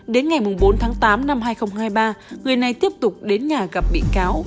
đến ngày bốn tháng tám năm hai nghìn hai mươi ba người này tiếp tục đến nhà gặp bị cáo